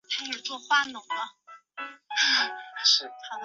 五十三军六九一团团长吕正操编入八路军。